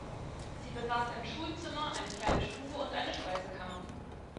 Sie besaß ein Schulzimmer, eine kleine Stube und eine Speisekammer.